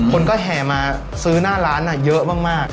คนก็แห่มาซื้อหน้าร้านเยอะมาก